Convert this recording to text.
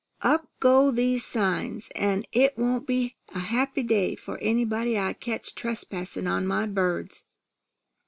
Up go these signs, an' it won't be a happy day for anybody I catch trespassin' on my birds."